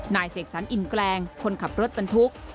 เสกสรรอินแกลงคนขับรถบรรทุก